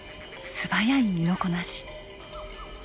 素早い身のこなし。